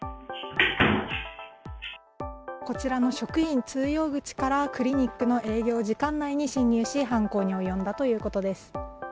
こちらの職員通用口から、クリニックの営業時間内に侵入し、犯行に及んだということです。